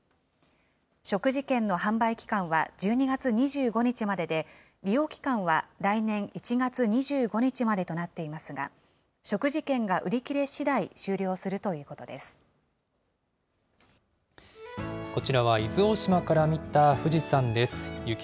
食事券の販売期間は１２月２５日までで、利用期間は来年１月２５日までとなっていますが、食事券が売り切れしだい、終了するといこちらは伊豆大島から見た富士山。